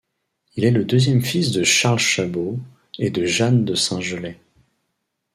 Il est le deuxième fils de Charles Chabot et de Jeanne de Saint-Gelais.